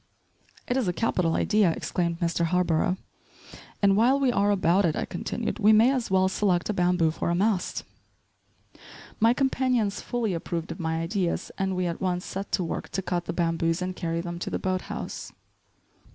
"It is a capital idea," exclaimed Mr. Harborough. "And while we are about it," I continued, "we may as well select a bamboo for a mast." My companions fully approved of my ideas and we at once set to work to cut the bamboos and carry them to the boat house.